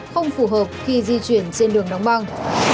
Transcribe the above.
không phù hợp khi di chuyển trên đường đóng băng